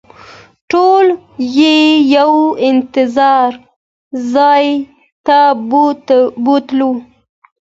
ټول یې یو انتظار ځای ته بوتلو.